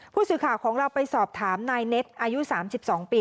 ผู้สื่อข่าวของเราไปสอบถามนายเน็ตอายุ๓๒ปี